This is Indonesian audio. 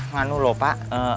manu loh pak